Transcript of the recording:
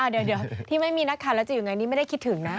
เดี๋ยวที่ไม่มีนักข่าวแล้วจะอยู่ไงนี่ไม่ได้คิดถึงนะ